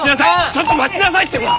ちょっと待ちなさいってば！